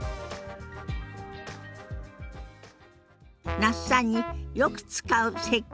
那須さんによく使う接客